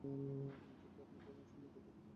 যদিও আপনাদের অনেক সময় মুখ দেখাদেখিও বন্ধ থাকত।